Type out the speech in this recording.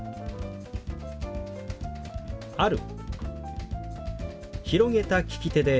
「ある」。